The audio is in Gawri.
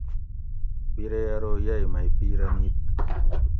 بیری ارو یئ مئ پیرہ نِیت